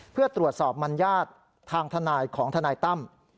เพื่อตรวจสอบมัญญาติทางทนายของทนายตั้ม